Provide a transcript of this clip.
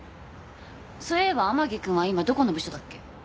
そういえば天樹くんは今どこの部署だっけ？